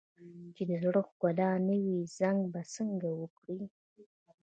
چې د زړه ښکلا نه وي، زنګ به څه وکړي؟